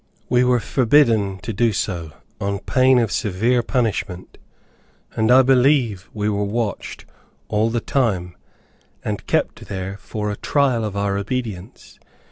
We were forbidden to do so, on pain of severe punishment; and I believe we were watched all the time, and kept there, for a trial of our obedience.